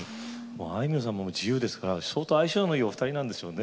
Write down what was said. あいみょんさんも自由ですから相当相性のいいお二人なんでしょうね。